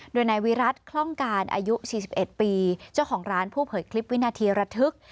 โดยนายวิรัติคล่องการอายุ๔๑ปีเจ้าของร้านผู้เผยคลิปวินาทีระทึก